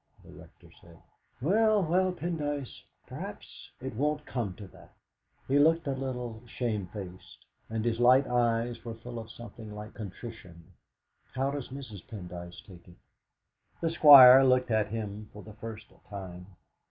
The Rector said: "Well, well, Pendyce, perhaps it won't come to that." He looked a little shamefaced, and his light eyes were full of something like contrition. "How does Mrs. Pendyce take it?" The Squire looked at him for the first time.